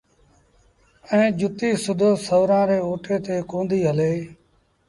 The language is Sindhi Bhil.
ائيٚݩ جُتيٚ سُڌو سُورآݩ ري اوٽي تي ڪونديٚ هلي